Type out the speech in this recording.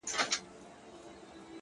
عاشقانه د رباطونو په درشل زه یم!